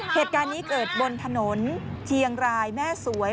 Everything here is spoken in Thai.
เหตุการณ์นี้เกิดบนถนนเชียงรายแม่สวย